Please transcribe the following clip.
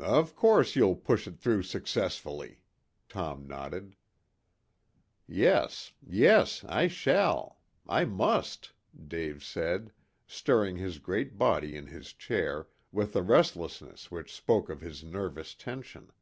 "Of course you'll push it through successfully," Tom nodded. "Yes, yes. I shall. I must," Dave said, stirring his great body in his chair with a restlessness which spoke of his nervous tension.